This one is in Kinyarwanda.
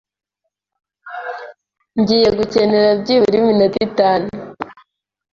Ngiye gukenera byibura iminota itanu.